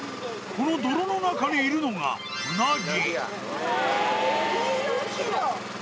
この泥の中にいるのがへぇ！